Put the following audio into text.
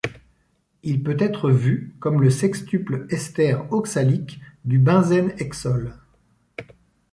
Il peut être vu comme le sextuple ester oxalique du benzènehexol.